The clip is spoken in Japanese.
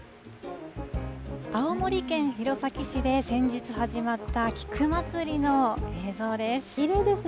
青森県弘前市で先日始まった菊祭りの映像です。